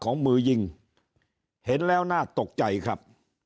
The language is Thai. มือยิงเห็นแล้วน่าตกใจครับ